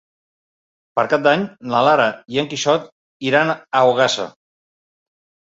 Per Cap d'Any na Lara i en Quixot iran a Ogassa.